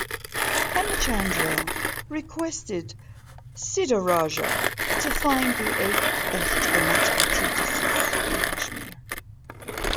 Hemachandra requested Siddharaja to find the eight best grammatical treatises from Kashmir.